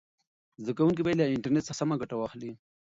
زده کوونکي باید له انټرنیټ څخه سمه ګټه واخلي.